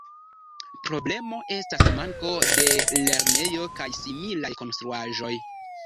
Problemo estas manko de lernejo kaj similaj konstruaĵoj.